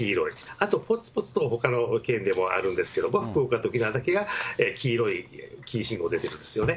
あとぽつぽつとほかの県でもあるんですけれども、福岡と沖縄だけが黄色い、黄色信号が出てるんですよね。